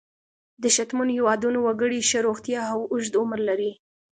د شتمنو هېوادونو وګړي ښه روغتیا او اوږد عمر لري.